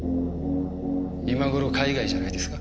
今頃海外じゃないですか。